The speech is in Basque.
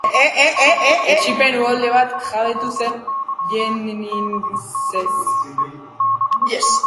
Etsipen uholde bat jabetu zen Jenningsez.